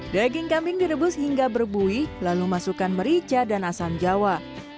daging kambing direbus hingga berbuih lalu masukkan merica dan asam jawa